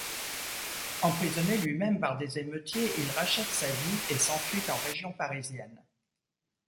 Emprisonné lui-même par des émeutiers, il rachète sa vie et s’enfuit en région parisienne.